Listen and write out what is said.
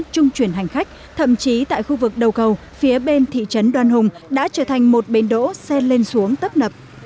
trung chuyển hành khách thậm chí tại khu vực đầu cầu phía bên thị trấn đoan hùng đã trở thành một bến đỗ xe lên xuống tấp nập